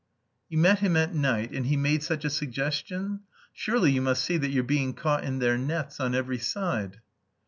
"You met him at night, and he made such a suggestion? Surely you must see that you're being caught in their nets on every side!"